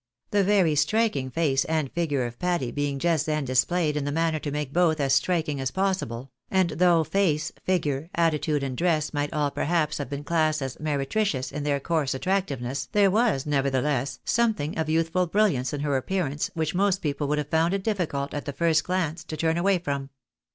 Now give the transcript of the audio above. The very striking face and figure of Patty being just then displayed in the manner to make both as striking as possible ; and though face, figure, attitude, and dress, might all perhaps have been classed as meretricious in their coarse attractiveness, there was, neverthe less, something of youthful brilliance in her appearance which most people would have found it difiicult, at the first glance, to turn away from.